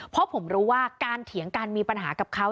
เพราะผมรู้ว่าการเถียงกันมีปัญหากับเขา